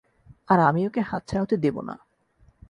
আর আমি ওকে হাতছাড়া হতে দেবো না!